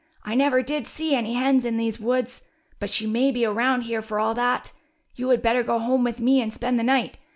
I never did see any hens in these woods, but she may be around here for all that. You had better go home with me and spend the night.